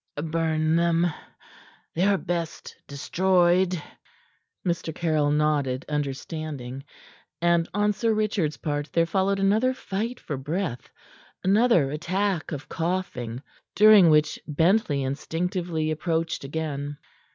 Burn them. They are best destroyed." Mr. Caryll nodded understanding, and on Sir Richard's part there followed another fight for breath, another attack of coughing, during which Bentley instinctively approached again.